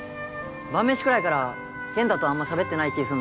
晩飯くらいから健太とあんましゃべってない気す